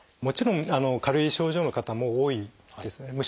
もちろん軽い症状の方も多いんですね。